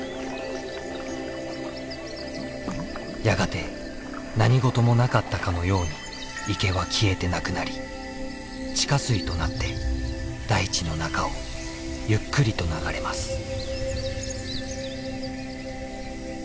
やがて何事もなかったかのように池は消えてなくなり地下水となって大地の中をゆっくりと流れます。